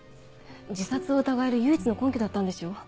自殺を疑える唯一の根拠だったんでしょ？